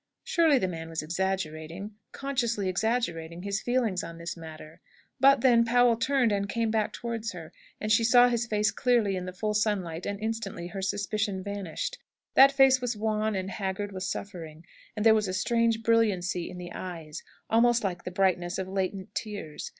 Surely the man was exaggerating consciously exaggerating his feeling on this matter! But, then, Powell turned, and came back towards her; and she saw his face clearly in the full sunlight, and instantly her suspicion vanished. That face was wan and haggard with suffering, and there was a strange brilliancy in the eyes, almost like the brightness of latent tears.